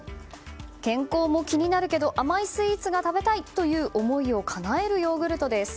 健康も気になるけど甘いスイーツが食べたいという思いをかなえるヨーグルトです。